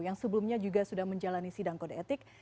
yang sebelumnya juga sudah menjalani sidang kode etik